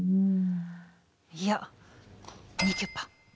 いやニーキュッパ！